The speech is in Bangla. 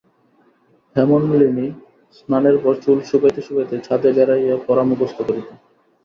হেমনলিনী স্নানের পর চুল শুকাইতে শুকাইতে ছাদে বেড়াইয়া পড়া মুখস্থ করিত।